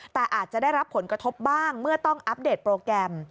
แต่อาจจะได้รับผลกระทบบ้างเมื่อต้องอัปเดตโปรแกรม